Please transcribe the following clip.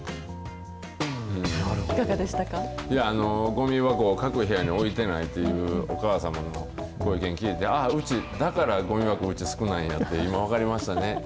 ごみ箱を各部屋に置いていないというお母様のご意見聞いて、ああ、うち、だからごみ箱、うち少ないんやって今、分かりましたね。